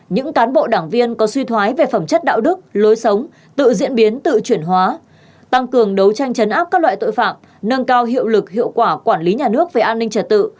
những cán bộ đảng viên có suy thoái về phẩm chất đạo đức lối sống tự diễn biến tự chuyển hóa tăng cường đấu tranh chấn áp các loại tội phạm nâng cao hiệu lực hiệu quả quản lý nhà nước về an ninh trật tự